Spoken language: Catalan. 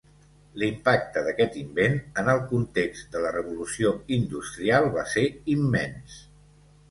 L'impacte d'aquest invent, en el context de la Revolució industrial, va ser immens.